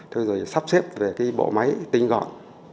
thế rồi thì sắp xếp về cái bộ máy tính gọn